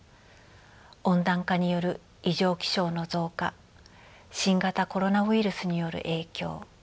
温暖化による異常気象の増加新型コロナウイルスによる影響